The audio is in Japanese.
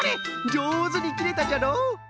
じょうずにきれたじゃろ？